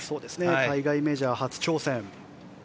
海外メジャー初挑戦。